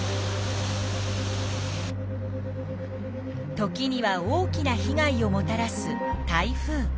時には大きなひ害をもたらす台風。